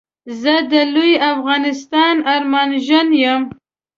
زه د لوي افغانستان ارمانژن يم